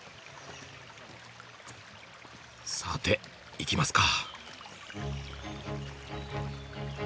さて行きますか！